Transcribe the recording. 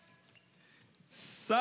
さあ